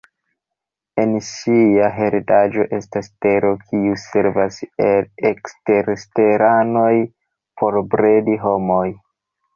En ŝia heredaĵo estas Tero, kiu servas al eksterteranoj por bredi homojn.